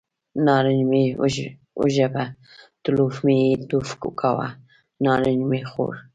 نارنج مې وژبه، تلوف مې یې توف کاوه، نارنج مې خوړ.